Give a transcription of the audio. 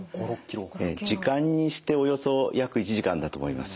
時間にしておよそ約１時間だと思います。